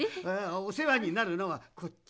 おせわになるのはこっち。